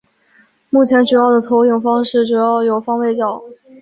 目前主要的投影方式主要有方位角。